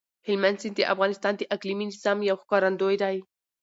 هلمند سیند د افغانستان د اقلیمي نظام یو ښکارندوی دی.